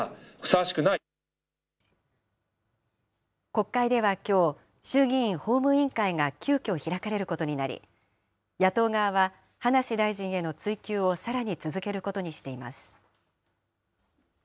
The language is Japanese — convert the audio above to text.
国会ではきょう、衆議院法務委員会が急きょ開かれることになり、野党側は、葉梨大臣への追及をさらに続けることにしています。